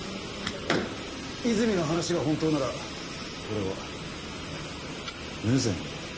泉の話が本当ならこれは無罪にできる。